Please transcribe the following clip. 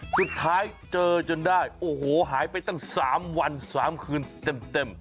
เจอจนได้โอ้โหหายไปตั้ง๓วัน๓คืนเต็ม